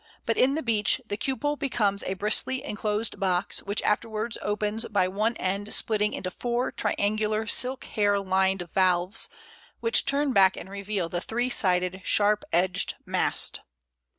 But in the Beech the "cupule" becomes a bristly closed box, which afterwards opens by one end splitting into four triangular silk hair lined valves, which turn back and reveal the three sided, sharp edged "mast."